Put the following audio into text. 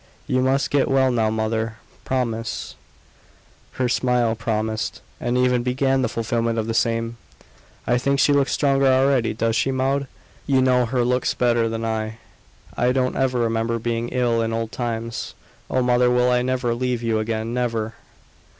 "You must get well now, mother. Promise!" Her smile promised and even began the fulfilment of the same. "I think she looks stronger already does she, Maud? You know her looks better than I; I don't ever remember her being ill in old times. Oh, mother, I will never leave you again never!"